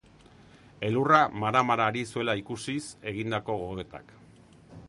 Elurra mara-mara ari zuela ikusiz egindako gogoetak.